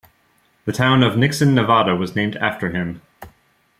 The town of Nixon, Nevada was named after him.